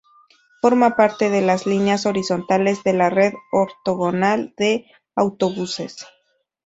Forma parte de las líneas horizontales de la Red Ortogonal de Autobuses.